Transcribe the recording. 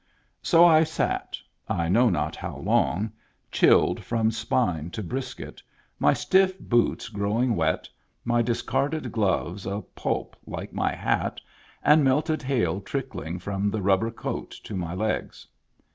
So I sat — I know not how long — chilled from spine to brisket, my stiff boots growing 'Digitized by Google TIMBERLINE iSS wet, my discarded gloves a pulp, like my hat, and melted hail trickling from the rubber coat to my legs.